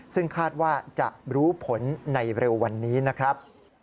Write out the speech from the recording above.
ซึ่งคาดว่าจะรู้ผลในเร็ววันนี้นะครับ